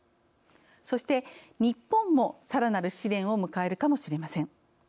そして日本も、さらなる試練を迎えるかもしれません。